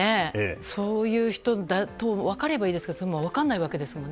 そういう人だと分かればいいけど分からないですもんね。